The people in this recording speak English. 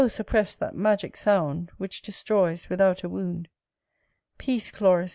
suppress that magic sound, Which destroys without a wound. Peace, Chloris!